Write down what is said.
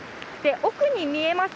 奥に見えます